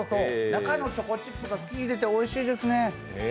中のチョコチップが効いてておいしいですね。